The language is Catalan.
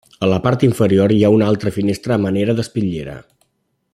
A la part inferior, hi ha una altra finestra a manera d'espitllera.